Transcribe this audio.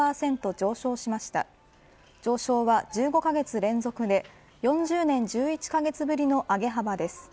上昇は１５カ月連続で４０年１１カ月ぶりの上げ幅です。